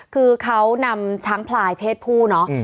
คือเขานำช้างพลายเพศผู้เนอะ